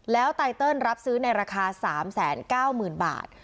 แล้วไตเติลรับซื้อในราคา๓๙๐๐๐บาท